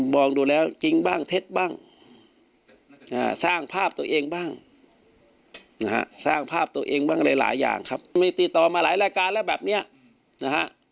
มองดูแล้วจริงบ้างเท็จบ้างสร้างภาพตัวเองบ้างนะฮะสร้างภาพตัวเองบ้างหลายอย่างครับมีติดต่อมาหลายรายการแล้วแบบนี้นะฮะ